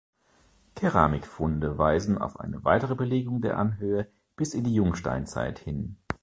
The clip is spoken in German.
Keramikfunde weisen auf eine weitere Belegung der Anhöhe bis in die Jungsteinzeit hin.